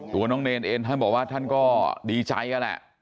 ถูกว่าน้องเนรเองท่านบอกว่าท่านก็ดีใจก็แหละ